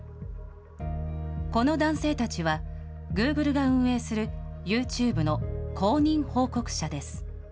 この男性たちは、グーグルが運営するユーチューブの公認報告者です。